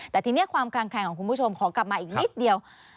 แต่ทีนี้ความกลางแคลงของคุณผู้ชมขอกลับมาอีกนิดเดียว